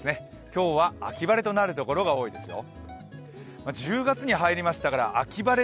今日は秋晴れとなるところが多いですよ。